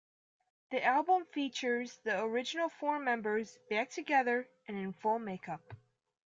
The album features the original four members back together and in full make-up.